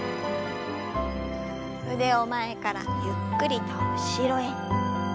腕を前からゆっくりと後ろへ。